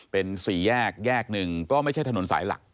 เป็นสี่แยกแยกหนึ่งก็ไม่ใช่ถนนสายหลัก